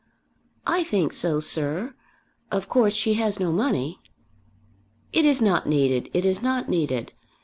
"I think so, sir. Of course she has no money." "It is not needed. It is not needed.